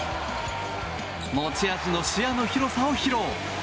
持ち味の視野の広さを披露。